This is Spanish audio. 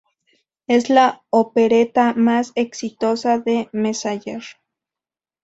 Es la opereta más exitosa de Messager.